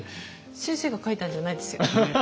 先生が書いたんじゃないですよね？